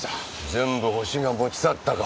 全部ホシが持ち去ったか。